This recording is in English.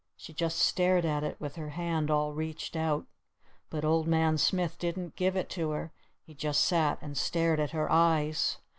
She just stared at it with her hand all reached out. But Old Man Smith didn't give it to her. He just sat and stared at her eyes.